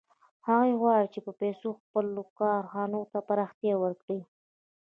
هغوی غواړي چې په پیسو خپلو کارخانو ته پراختیا ورکړي